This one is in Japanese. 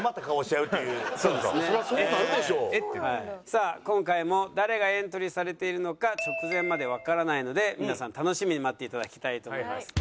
さあ今回も誰がエントリーされているのか直前までわからないので皆さん楽しみに待っていただきたいと思います。